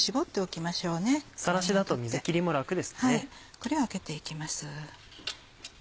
これを開けていきます。